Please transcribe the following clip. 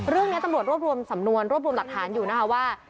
เรื่องนี้ตำรวจรวบรวมสำนวนรวบรวมหลักฐานอยู่นะคะว่า